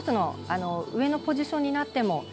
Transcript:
上のポジションになっても。